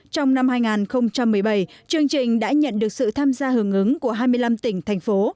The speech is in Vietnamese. trong năm hai nghìn một mươi bảy chương trình đã nhận được sự tham gia hưởng ứng của hai mươi năm tỉnh thành phố